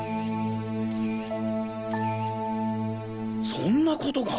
そんなことが。